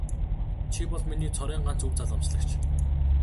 Чи бол миний цорын ганц өв залгамжлагч.